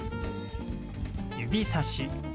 指さし。